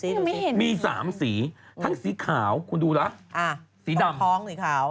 เห้ยมี๓สีทั้งสีขาวคุณดูละอ้าวสีทองทองสีขาว